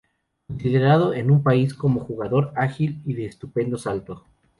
Considerado en su país como un jugador ágil y de estupendo salto.